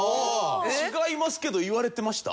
違いますけど言われてました？